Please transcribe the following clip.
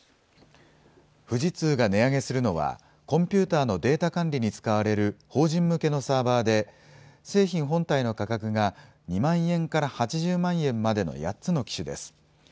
富士通が値上げするのは、コンピューターのデータ管理に使われる法人向けのサーバーで、製品本体の価格が２万円から８０万円までの８つの機種です。